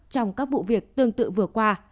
trong các vụ việc tương tự vừa qua